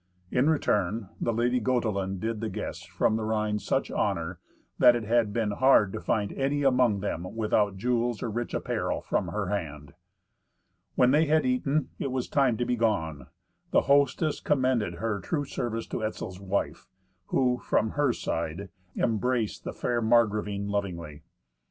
In return, the lady Gotelind did the guests from the Rhine such honour that it had been hard to find any among them without jewels or rich apparel from her hand. When they had eaten, and it was time to be gone, the hostess commended her true service to Etzel's wife, who, from her side, embraced the fair Margravine lovingly.